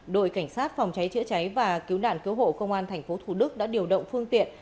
đội cảnh sát phòng cháy chữa cháy và cứu nạn cứu hộ công an tp thủ đức đã điều động phương tiện